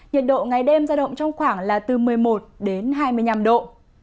nhiệt độ ngày đêm ra động trong khoảng là từ một mươi một đến hai mươi năm độ